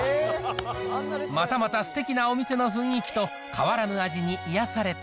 またまたすてきなお店の雰囲気と、変わらぬ味に癒やされた